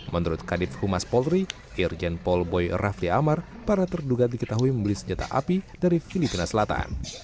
menurut kadif humas polri irjen paul boy rafli amar para terduga diketahui membeli senjata api dari filipina selatan